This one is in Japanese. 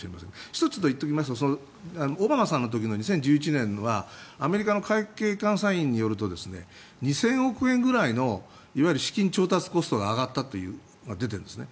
１つ、言っておきますがオバマさんの時の２０１１年はアメリカの会計監査院によると２０００億円くらいの資金調達コストが上がったと出ているんですね。